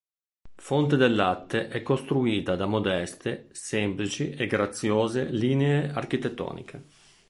Fonte del Latte è costruita da modeste, semplici e graziose linee architettoniche.